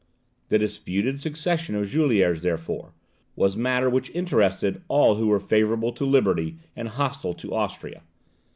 The disputed succession of Juliers, therefore, was matter which interested all who were favourable to liberty, and hostile to Austria.